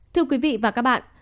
thưa quý vị và các bạn